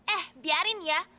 eh biarin ya